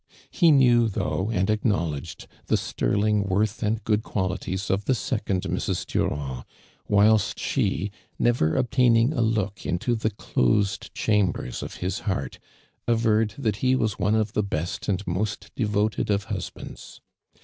lie knew though and acknowledged the sterling worth and good qualities of the .< econd Mrs. Duraiid, whilst she, nevei ob taining a look into the closed cliaml>iTs ot his heart, averred that he was one ol the best and most devoted of husbands.